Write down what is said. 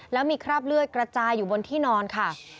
แล้วมีคราบเลือดกระจายอยู่บนที่นอนค่ะ